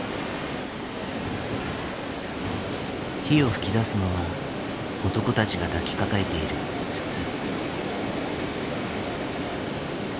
火を噴き出すのは男たちが抱きかかえている筒。